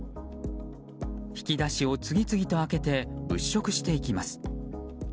引き出しを次々と開けて物色していきます。